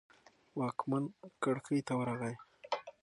واکمن کړکۍ ته ورغی.